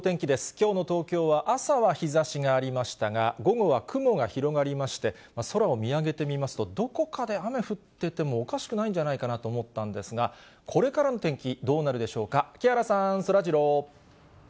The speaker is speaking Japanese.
きょうの東京は朝は日ざしがありましたが、午後は雲が広がりまして、空を見上げてみますと、どこかで雨降っててもおかしくないんじゃないかなと思ったんですが、これからの天気、どうなるでしょうか、木原さん、そらジロー。